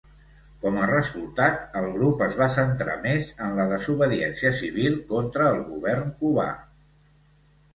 Com a resultat, el grup es va centrar més en la desobediència civil contra el govern cubà.